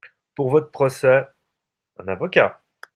Pour votre procès, un avocat…